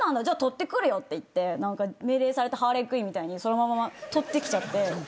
じゃあ取ってくるよって言って命令されたハーレイ・クインみたいにそのまま取ってきちゃって。